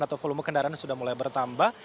atau volume kendaraan sudah mulai bertambah